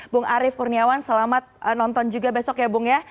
bung arief kurniawan selamat nonton juga besok ya bung ya